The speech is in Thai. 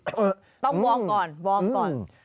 ต้องว้อมก่อนว้อมก่อน